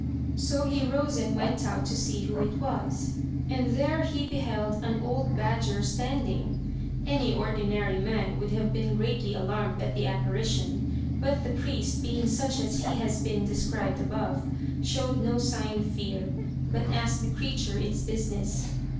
So he rose and went out to see who it was, and there he beheld an old badger standing. Any ordinary man would have been greatly alarmed at the apparition; but the priest, being such as he has been described above, showed no sign of fear, but asked the creature its business.